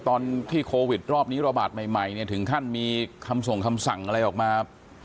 ตอนที่โควิดรอบนี้ระบาดใหม่เนี่ยถึงขั้นมีคำส่งคำสั่งอะไรออกมา